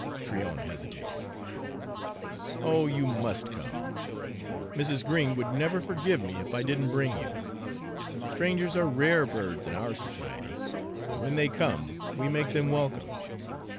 Tryon hesitated. "Oh, you must come! Mrs. Green would never forgive me if I didn't bring you. Strangers are rare birds in our society, and when they come we make them welcome.